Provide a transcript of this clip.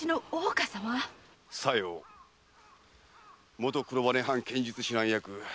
元黒羽藩剣術指南役